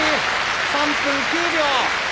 ３分９秒。